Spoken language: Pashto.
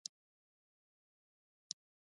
دا دونه وخت چې مې لمونځ کاوه خورا ځورېدم.